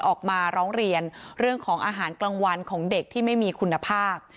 ออกมาร้องเรียนเรื่องของอาหารกลางวันของเด็กที่ไม่มีคุณภาพ